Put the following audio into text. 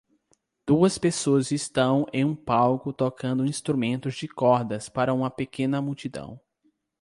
Duas pessoas estão em um palco tocando instrumentos de cordas para uma pequena multidão